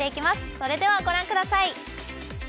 それではご覧ください。